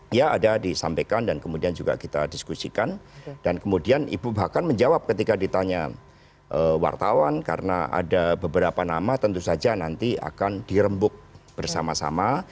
dia ada disampaikan dan kemudian juga kita diskusikan dan kemudian ibu bahkan menjawab ketika ditanya wartawan karena ada beberapa nama tentu saja nanti akan dirembuk bersama sama